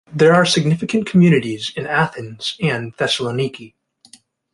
There are significant communities in Athens and Thessaloniki.